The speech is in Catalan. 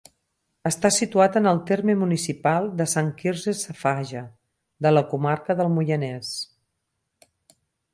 Està situat en el terme municipal de Sant Quirze Safaja, de la comarca del Moianès.